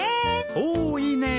おおいいね。